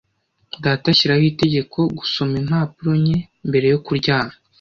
Data ashyiraho itegeko gusoma impapuro nke mbere yo kuryama.